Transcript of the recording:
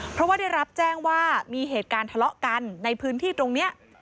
เพราะว่าได้รับแจ้งว่ามีเหตุการณ์ทะเลาะกันในพื้นที่ตรงนี้